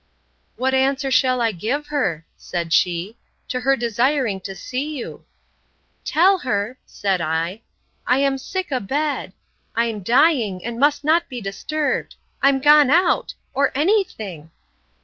What answer shall I give her, said she, to her desiring to see you?—Tell her, said I, I am sick a bed; I'm dying, and must not be disturbed; I'm gone out—or any thing.